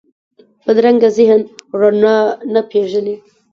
بدرنګه ذهن رڼا نه پېژني